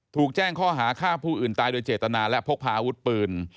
ถูกแจ้งข้อหาฆ่าผู้อื่นตายโดยเจตนาและพกพาอาวุธปืน